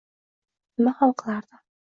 Nima ham qilardim